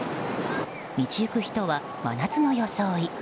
道行く人は真夏の装い。